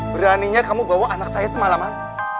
beraninya kamu bawa anak saya semalaman